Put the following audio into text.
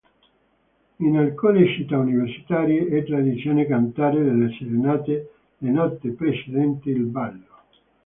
In alcune città universitarie è tradizione cantare delle serenate la notte precedente il ballo.